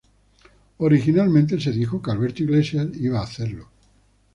Originalmente se dijo que Alberto Iglesias iba a hacerlo.